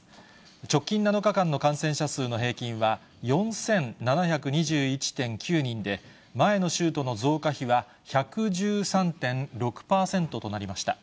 直近７日間の感染者数の平均は４７２１．９人で、前の週との増加比は１１３．６％となりました。